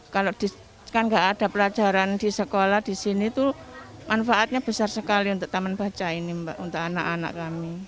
kalau kan nggak ada pelajaran di sekolah di sini tuh manfaatnya besar sekali untuk taman baca ini mbak untuk anak anak kami